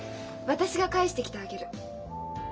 私が返してきてあげる。